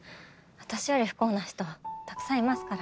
私より不幸な人たくさんいますから。